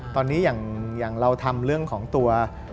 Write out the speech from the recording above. ตอนนี้อย่างเราทำเรื่องของตัว